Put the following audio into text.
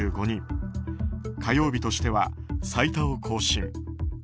火曜日としては最多を更新。